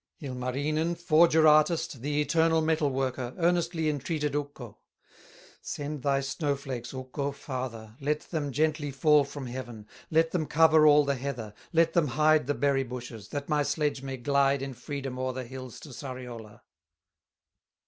Ilmarinen, forger artist, The eternal metal worker, Earnestly entreated Ukko: "Send thy snow flakes, Ukko, father, Let them gently fall from heaven, Let them cover all the heather, Let them hide the berry bushes, That my sledge may glide in freedom O'er the hills to Sariola!"